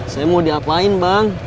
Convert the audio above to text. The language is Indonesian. saya mau diapain bang